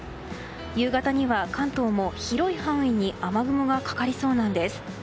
夕方には関東も広い範囲に雨雲がかかりそうなんです。